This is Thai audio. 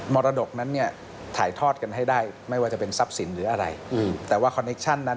รดกนั้นเนี่ยถ่ายทอดกันให้ได้ไม่ว่าจะเป็นทรัพย์สินหรืออะไรแต่ว่าคอนเคชั่นนั้น